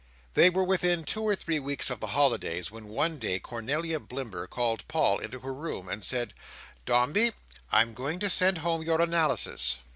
They were within two or three weeks of the holidays, when, one day, Cornelia Blimber called Paul into her room, and said, "Dombey, I am going to send home your analysis."